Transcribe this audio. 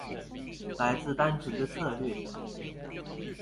來自單純的策略